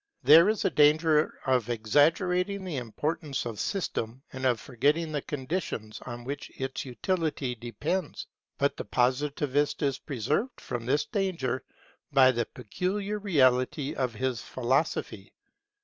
There is a danger of exaggerating the importance of system and of forgetting the conditions on which its utility depends; but the Positivist is preserved from this danger by the peculiar reality of his philosophy.